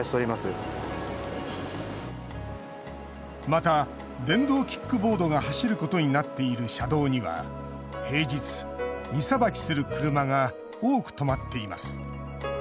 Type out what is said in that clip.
また電動キックボードが走ることになっている車道には平日荷さばきする車が多く止まっています。